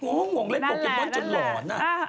หวังเล่นโปเกมอนจนหลอนอ่ะนั่นแหละนั่นแหละ